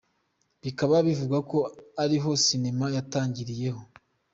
Bikaba bivugwa ko ariho sinema yatangiriye.